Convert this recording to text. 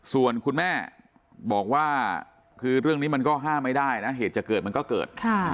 ส่วนคุณแม่บอกว่าคือเรื่องนี้มันก็ห้ามไม่ได้นะเหตุจะเกิดมันก็เกิด